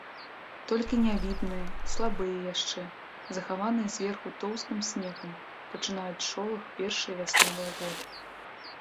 Толькі нявідныя, слабыя яшчэ, захаваныя зверху тоўстым снегам, пачынаюць шолах першыя вясновыя воды.